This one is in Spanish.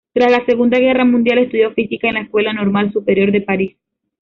Tras la Segunda Guerra Mundial estudió física en la Escuela Normal Superior de París.